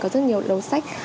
có rất nhiều đồ sách